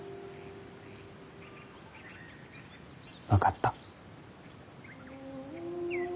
分かった。